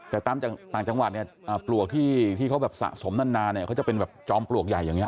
แต่ตามต่างจังหวัดปลวกที่เขาสะสมนานจะเป็นจอมปลวกใหญ่อย่างนี้